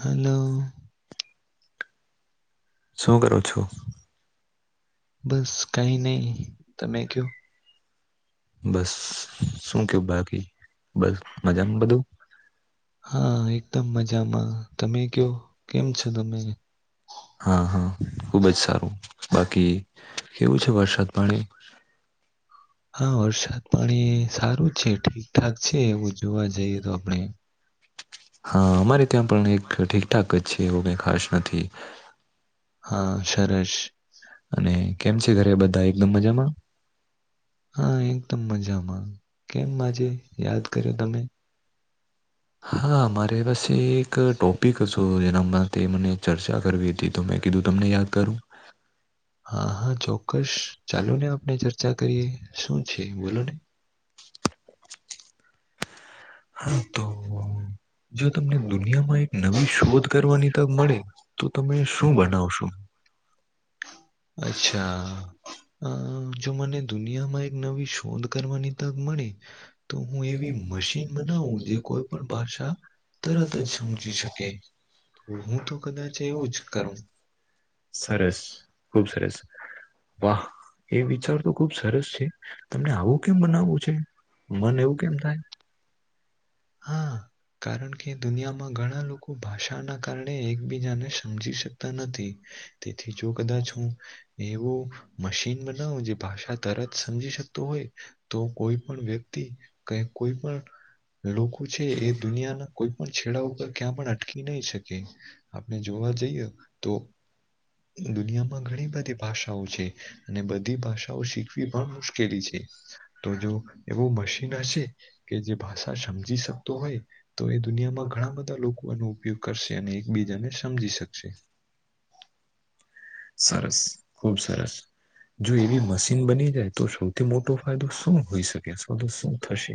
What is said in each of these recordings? Hello શું કરું છું બસ કઈ નહી તમે કયો બસ શું કેવું બાકી બસ મજામાં બધું હા એકદમ મજામાં તમે કયો કેમ છો તમે હા હા ખુબ જ સારું બાકી કેવું છે વરસાદ પાણી હા વરસાદ પાણી સારું છે ઠીકઠાક છે એવું જોવા જઈએ તો આપણે હા અમારે ત્યાં પણ એક ઠીકઠાક જ છે એવું કઈ ખાસ નથી હા સર અને કેમ છે ઘરે બધા એકદમ મજામાં હા એકદમ મજામાં કેમ આજે યાદ કર્યો તમે હા મારે પાસે એક ટોપિક હતો જેના માટે મને ચર્ચા કરવી હતી તો મેં કીધું તમને યાદ કરું હા હા ચોક્કસ ચાલુ ને આપણે ચર્ચા કરીએ શું છે બોલો ને હા તો જો તમને દુનિયામાં નવી શોધ કરવાની તો ત શું બઠવશો અચ્છા અ જો મને દુનિયામાં એક નવી શોધ કરવાની તક મળી તો હું એવી મશીન જે કોઈ પણ ભાષા તરત જ સમજી શકે હું તો કદાચ એવું જ કરું સરસ ખુબ સરસ વાહ એ વિચાર તો ખુબ સરસ છે તમને આવું કેમ બનાવવું છે મને એવું કેમ હતા હા કારણ કે દુનિયામાં ઘણા લોકો ભાષાના કારણે એકબીજાને સમજી શકતા નથી તેથી જો કદાચ હું એવું મશીન બનાવું જે ભાષા તરત સમજી શકતો હોય તો કોઈ પણ વ્યક્તિ ક કોઈ પણ લોકો છે એ દુનિયાના કોઈ પણ છેડા ઉપર ક્યાં પણ અટકી નહી શકે આપણે જોવા જઈએ તો દુનિયામાં ઘણી બધી ભાષાઓ છે અને બધી ભાષાઓ શીખવી પણ મુશ્કેલી છે તો જો એવું મશીન હશે કે જે ભાષા સમજી શકતો હોય તો એ દુનિયામાં ઘણા બધા લોકો એનો ઉપયોગ કરશે અને એકબીજાને સમજી શકશે સરસ ખુબ સરસ જો એવી મશીન બની જાય તો સૌથી મોટો ફાયદો શું હોઈ શકે અથવા તો શું થશે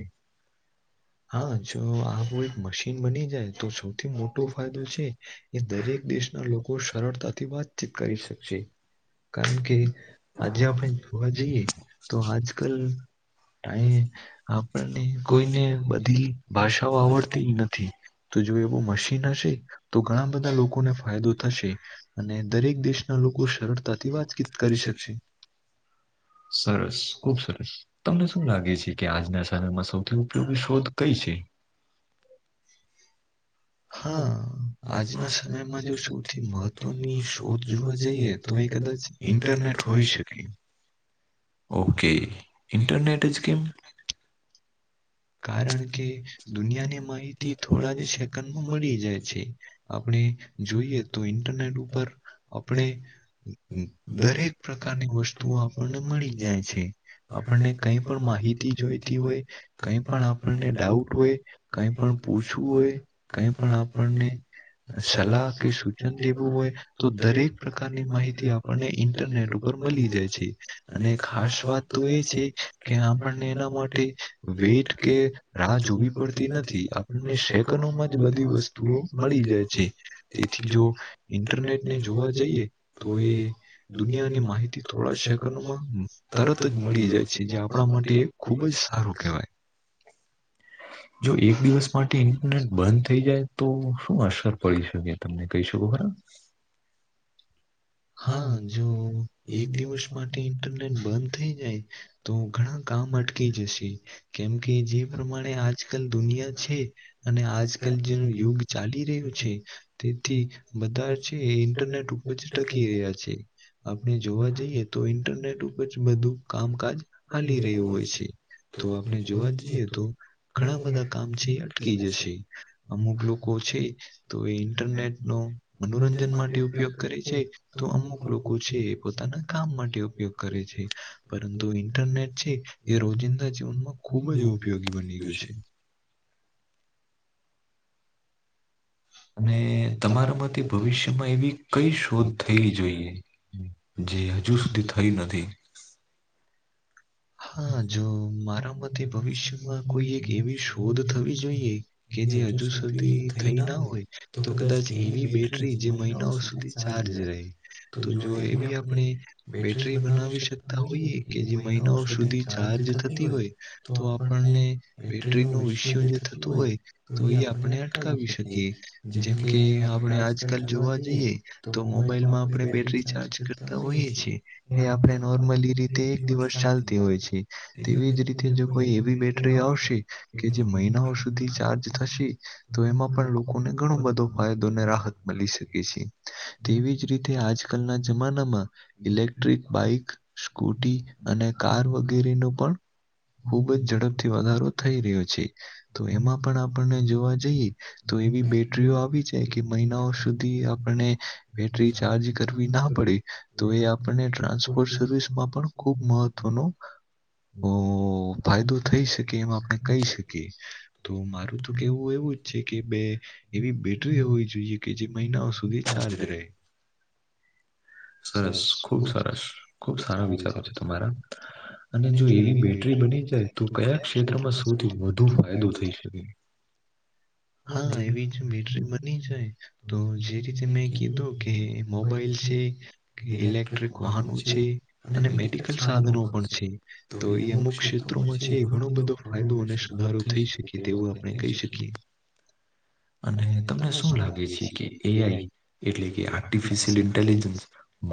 હા જો આું એક મશીન બની જાય તો સૌથી મોટો ફાયદો છે એ દરેક દેશના લોકો સરળતાથી વાતચીત કરી શકશે કારણ કે આજે આપણે જોવા જઈએ તો આજ કલ અ આપણને કોઈને બધી ભાષાઓ આવડતી જ નથી તો જો એવું મશીન હશે તો ઘણા બધા લોકોને ફાયદો થશે અને દરેક દેશના લોકો સરળતાથી વાતચીત કરી શકશે સરસ ખુબ સરસ તમને શું લાગે છે કે આજના સમયમાં સૌથી ઉપયોગ શોધ કઈ છે હા આજના સમયમાં જો સૌથી મહત્વની શોધ જોવા જઈએ તો એ કદાચ ઇન્ટરનેટ હોઈ શકે ઓકે ઇન્ટરનેટ જકીમ કારણ કે દુનિયાની માહિતી થોડા જ સેકન્ડમાં મળી જાય છે આપણે જોઈએ તો ઇન્ટરનેટ ઉપર આપણે દરેક પ્રકારની વસ્તુઓ આપણને મળી જાય છે આપણને કઈ પણ માહિતી જોઈતી હોય કઈ પણ આપણને ડાઉટ હોય કઈ પણ પૂછવું હોય કઈ પણ આપણને સલાહ કે સૂચન લેવું હોય તો દરેક પ્રકારની માહિતી આપ ને ઇન્ટરનેટ ઉપર મળી જાય છે. અને ખાસ વાત તો એ છે, કે આપણને એના માટે વેટ કે રાહ જોવી પડતી નથી આપણને સેકડમાં બધી વસ્તુઓ મળી જાય છે, તેથી જો ઇન્ટરનેટ ને જોવા જઈએ તો એ દુનિયાની માહિતી થોડા સેકનોમાં તરત જ મળી જાય છે, જે આપણા માટે ખુબ જ સારું જો એક દિવસ માટે ઇન્ટરનેટ બંધ થઈ જાય તો શું અસર પડી શકે તમને કહી શકો ખરા? હા જો એક દિવસ માટે ઇન્ટરનેટ બંધ થઈ જાય તો ઘણા કામ અટકી જશે. કેમ કે જે પ્રમાણે આજ કલ દુનિયા છે, અને આજ કલ જેનું યુગ ચાલી રહ્યું છે. તેથી બધા છે ઇન્ટરનેટ ઉપર જ ટકી રહ્યા છે. આપણે જોવા જઈએ તો ઇન્ટરનેટ ઉપર જ બધું કામકાજ ચાલી રહ્યું હોય છે. તો આપણે જોવા જઈએ તો ઘણા બધા કામ છે અટકી જશે. અમુક લોકો છે, તો એ ઇન્ટરનેટ નો મનોરંજન માટે ઉપયોગ કરે છે. તો અમુક લોકો છે, એ પોતાના કામ માટે ઉપયોગ કરે છે, પરંતુ ઇન્ટરનેટ છે. એ રોજિંદા જીવનમાં ખુબ જ ઉપયોગી બની ગયું છે. અને તમારા માટેથી ભવિષ્યમાં એવી કઈ શોધ થવી જોઈએ. જે હજુ સુધી થઈ નથી. હા જો મારા મતે ભવિષ્યમાં કોઈ એક એવી શોધ થવી જોઈએ. કે જે હજુ સુધી થઈ ના હોય તો કદાચ એવી બેટરી જે મહિનાઓ સુધી ચાર્જ રેય તો જો એવી આપણે બેટરી બનાવી શકતા હોઈએ કે જે મહિનાઓ સુધી ચાર્જ થતી હોય તો આપણને બેટરીનું ઈસ્યુ જે થતું હોય. તો એ આપણે અટકાવી શકીએ જેમ કે આપણે આજકાલ જોવા જઈએ. તો મોબાઈલમાં આપણે બેટરી ચાર્જ કરતા હોઈએ છીએ એ આપણે નોર્મલી રીતે એક દિવસ ચાલ હોય છે, તેવી જ રીતે જો કોઈ એવી બેટરી આવશે કે જે મહિનાઓ સુધી ચાર્જ થશે તો એમાં પણ લોકોને ઘણો બધો ફાયદોને રાહત મળી શકે છે. તેવી જ રીતે આજકાલના જમાનામાં ઇલેક્ટ્રિક બાઈક, સ્કૂટી અને કાર વગેરેનો પણ ખુબ જ ઝડપથી વધારો થઈ રહ્યો છે. તો એમાં પણ આપણને જોવા જઈએ. તો એવી બેટરીઓ આવી જાય કે મહિનાઓ સુધી આપને બેટરી ચાર્જ કરવી ના પડી તો એ આપને ટ્રાન્સપોર્ટ સર્વિસમાં પણ ખૂબ મહત્વનું હમ ફાયદો થઈ શકે એમાં આપણે કહી શકીએ. તો મારું તો કેવું એવું જ છે, કે બે એવી બેટરી હોવી જોઈએ કે જે મહિનાઓ સુધી ચાર્જ રહે. સરસ ખુબ સરસ ખુબ સારા વિચારો છે, તમારા [unintelligible] અને જો એવી બેટરી બની જાય તો કયા ક્ષેત્રમાં શથી વધુ ફાયદો થઈ શકે [inaudible] હા એવી જ મેટરી બની જાય તો જે રીતે મેં કીધું કે મોબાઈલ છે. કે ઇલેક્ટ્રિક વાહનો છે, અને મેડિકલ સાધનો પણ છે, તો એ અમુક ક્ષેત્રોમાં છે, ઘણો બધો ફાયદો અને સુધારો થઈ શકે. કે તેવું આપણે કહી શકીએ. અને તમને શું લાગે છે, કે એ આઈ એટલે કે આર્ટિફિશિયલ ઇન્ટેલિજન્સ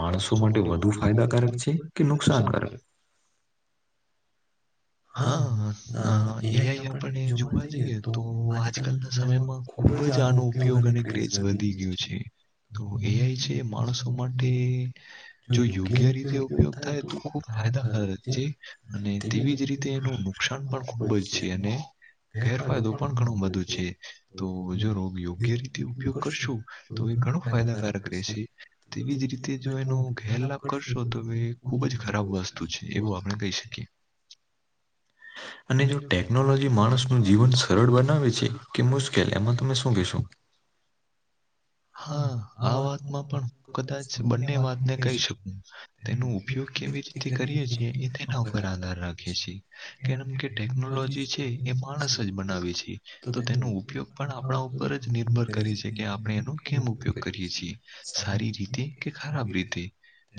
માણસો માટે વધુ ફાયદાકારક છે, કે નુકસાનકાર હા એ આઈ આપણે જોવા જઈએ તો આજકાલના સમયમાં ખુબ જ આનો ઉપયોગ અને ક્રેઝ વધી ગયો છે. તો એ આઈ છે માણસો માટે જો યોગ્ય રીતે ઉપયોગ થાય તો ખૂબ ફાયદાકારક છે અને તેવી જ રી તે એનું નુકસાન પણ ખુબ જ છે અને ગેરફાયદો પણ ઘણું બધું છે તો જો રોગ યોગ્ય રીતે ઉપયોગ કરશું તો એ ઘણું ફાયદાકારક રહેશે, તેવીજ રીતે જો એનો ઘેરલાભ કરશો તોવે ખુબ જ ખરાબ વસ્તુ છે એવું આપડે કહી શકીએ. અને જો ટેકનોલોજી માણસ [inaudible] હા આ વાતમાં પણ હું કદાચ બંને વાતને કહી શકું. તેનો ઉપયોગ કેવી રીતે કરીએ છીએ એ તેના ઉપર આધાર રાખીએ છે. કેમ કે ટેકનોલોજી છે એ માણસ જ બનાવે છે તો તેનો ઉપયોગ પણ આપણા ઉપર જ નિર્ભર કરી છે કે આપણે એનો કેમ ઉપયોગ કરીએ છીએ સારી રીતે કે ખરાબ રીતે?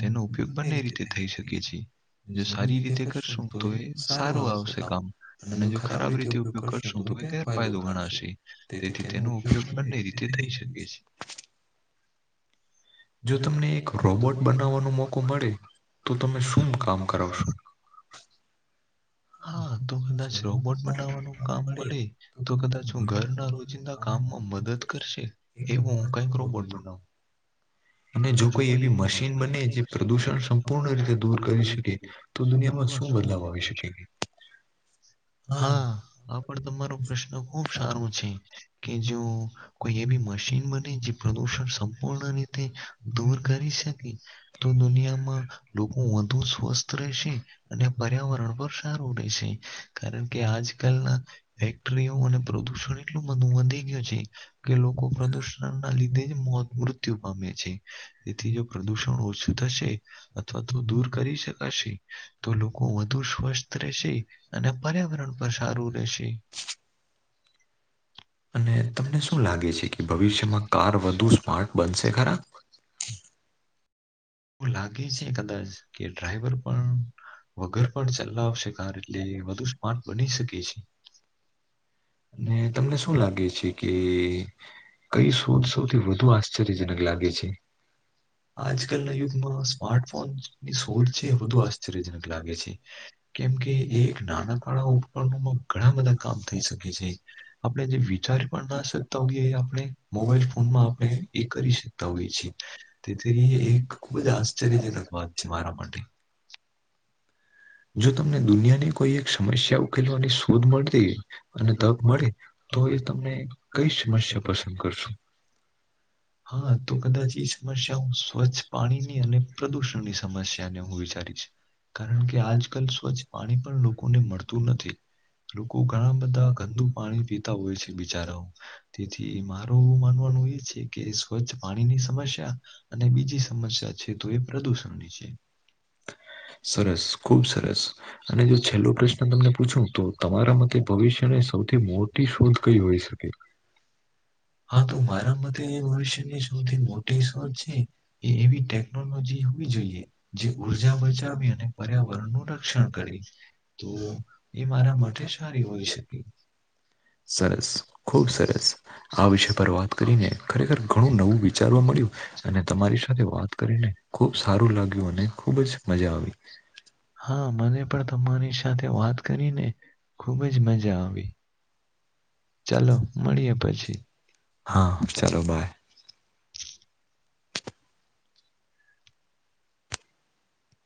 તેનો ઉપયોગ બંને રીતે થઈ શકે છે જો સારી રીતે કરશું તો એ સારું આવશે કામ અને જો ખરાબ રીતે ઉપયોગ કરશું તો એ ગેરફાયદો ગણાશે. તેથી તેનો ઉપયોગ પણ નઈ રીતે થઈ શ જો તમને એક રોબોટ બનાવવાનો મોકો મળે તો તમે શું કામ કરાવશો? હા તો કદાચ રોબોટ બનાવવાનું કામ મળે તો કદાચ હું ઘર ના રોજ ના કામમાં મદદ કરશે એવું હું કઈક રોબોટ બનાવુ. ને જો કોઈ એવી મશીન બને જે પ્રદૂષણ સંપૂર્ણ રીતે દૂર કરી શકે તો દુનિયામાં શું બદલાવ આવી શકે? હા આ પણ તમારો પ્રશ્ન ખુબ સારો છે કે જો કોઈ એ વી મશીન બને જે પ્રદૂષણ સંપૂર્ણ રીતે દૂર કરી શકે તો દુનિયામાં લોકો વધુ સ્વસ્થ રહેશે અને પર્યાવરણ પર સારું રહેશે કારણ કે આજકાલના ફેક્ટરીઓ અને પ્રદૂષણ એટલું બધું વધી ગયું છે કે લોકો પ્રદુષણ ના લીધે જ મોત મૃત્યુ પામે છે. તેથી જો પ્રદુષણ ઓછું થશે અથવા તો દૂર કરી શકાશે તો લોકો વધુ સ્વસ્થ રહેશે અને પર્યાવરણ પર સારું રહેશે. અને તમને શું લાગે છે કે ભવિષ્યમાં કાર વધુ સ્માર્ટ બનશે ખરા? [inaudible] [inaudible] અને તમને શું લાગે છે કે કઈ શોધ સૌથી વધુ આશ્ચર્યજનક લાગે છે? આજ આજકાલના યુગમાં સ્માર્ટફોનની શોધ છે વધુ આશ્ચર્યજનક લાગે છે. કેમકે એ એક નાનકડા ઉપકરણોમાં ઘણા બધા કામ થઈ શકે છે. આપડે જે વિચારી પણ નાશ તા હોઈએ આપણે મોબાઈલ ફોનમાં આપણે એ કરી શકતા હોઈએ છીએ તેથી એ ખુબજ આશ્ચર્યજનક વાત છે મારા માટે જો તમને દુનિયાની કોઈ એક સમસ્યા ઉકેલવાની શોધ મળતી અને તક મળે તો એ તમને કઈ સમસ્યા પસંદ કરશું? હા તો કદાચ એ સમસ્યા હું સ્વચ્છ પાણીની અને પ્રદુષણની સમસ્યાને હું વિચારીશ. કારણ કે આજકાલ સ્વચ્છ પાણી પણ લોકોને મળતું નથી. લોકો ઘણા બધા ગંદુ પાણી પીતા હોય છે બિચારાઓ તેથી મારું માનવાનું એ છે કે સ્વચ્છ પાણીની સમસ્યા અને બીજી સમસ્યા છે તો એ પ્રદૂષણની છે. [unintelligible] સરસ. ખુબ સરસ અને જો છેલ્લો પ્રશ્ન તમને પૂછું તો તમારા મતે ભવિષ્યને સૌથી મોટ ટી શોધ કઈ હોઇ શકે. [unintelligible] હા તો મારા મતે મનુષ્યની સૌથી મોટી શોચ છે એવી ટેકનોલોજી હવે જોઈએ. જે ઉર્જા ઉર્જા ભીને. પર્યાવરણ ને અસર કરે [inaudible] મારા વ ન રક્ષણ કરે તો એ મારા માટે સારી હોણી શકે સરસ ખુબ સરસ આ વિષય પર વાત કરીને ખરેખર ઘણું નવું વિચારવા મળ્યું. અને તમારી સાથે વાત કરીને ખુબ સારું લાગ્યું અને ખુબ જ મજા આવી. હા મને પણ તમારી સાથે વાત કરીને ખુબ જ મજા આવી. હા ચલો બાય.